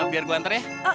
biar gue antar ya